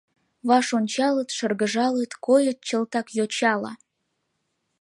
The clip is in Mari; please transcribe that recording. Ваш ончалыт, шыргыжалыт, койыт чылтак йочала.